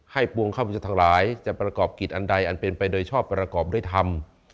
ปวงข้าพเจ้าทั้งหลายจะประกอบกิจอันใดอันเป็นไปโดยชอบประกอบด้วยธรรม